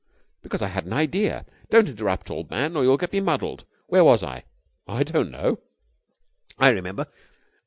"Because I had an idea. Don't interrupt, old man, or you'll get me muddled. Where was I?" "I don't know." "I remember.